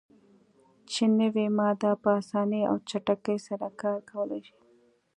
چې نوی ماده "په اسانۍ او چټکۍ سره کار کولای شي.